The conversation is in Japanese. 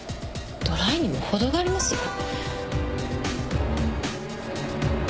ドライにも程がありますよ。